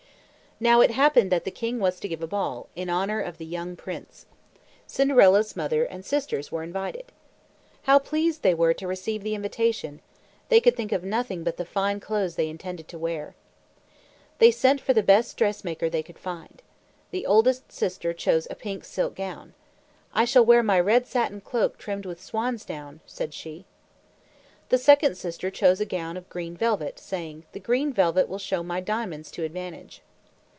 Now it happened that the king was to give a ball, in honor of the young prince. Cinderella's mother and sisters were invited. How pleased they were to receive the invitation! They could think of nothing but the fine clothes they intended to wear. They sent for the best dressmaker they could find. The oldest sister chose a pink silk gown. "I shall wear my red satin cloak trimmed with swan's down," said she. The second sister chose a gown of green velvet, saying, "The green velvet will show my diamonds to advantage."